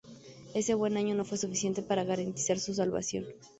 Ese buen año no fue suficiente para garantizar su salvación.